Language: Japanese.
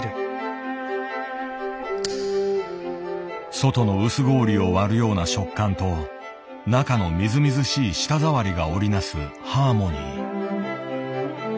外の薄氷を割るような食感と中のみずみずしい舌触りが織りなすハーモニー。